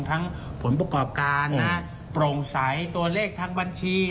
ทั้งผลประกอบการนะโปร่งใสตัวเลขทั้งบัญชี